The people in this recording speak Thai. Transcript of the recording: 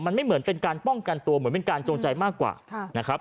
มันไม่เหมือนเป็นการป้องกันตัวเหมือนเป็นการจงใจมากกว่านะครับ